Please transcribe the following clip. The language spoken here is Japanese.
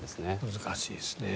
難しいですね。